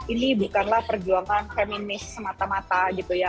ini bukanlah perjuangan feminis semata mata gitu ya